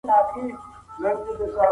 سخت فشار لاندي هم هغه خپله آرامي وساهمېشهه.